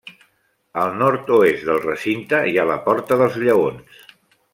Al nord-oest del recinte hi ha la Porta dels Lleons.